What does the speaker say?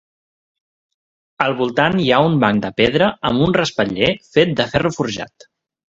Al voltant hi ha un banc de pedra amb un respatller fet de ferro forjat.